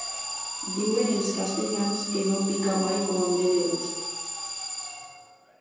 Diuen els castellans que no pica mai quan ve de gust.